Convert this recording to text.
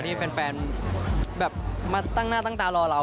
ที่แฟนแบบมาตั้งหน้าตั้งตารอเรา